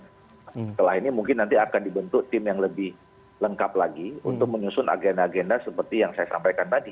setelah ini mungkin nanti akan dibentuk tim yang lebih lengkap lagi untuk menyusun agenda agenda seperti yang saya sampaikan tadi